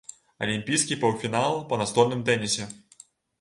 Алімпійскі паўфінал па настольным тэнісе.